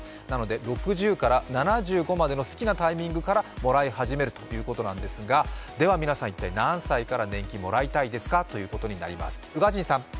なので６０から７５までの好きなタイミングからもらい始めるということなんですがでは皆さん、一体何歳から年金もらいたいですか？ということです。